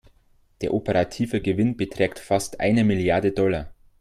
Der operative Gewinn beträgt fast eine Milliarde Dollar.